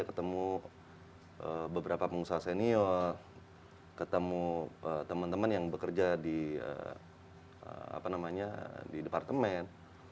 ketemu beberapa pengusaha senior ketemu teman teman yang bekerja di departemen